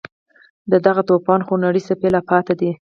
د دغه توپان خونړۍ څپې لا پاتې دي.